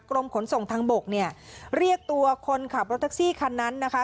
กรมขนส่งทางบกเนี่ยเรียกตัวคนขับรถแท็กซี่คันนั้นนะคะ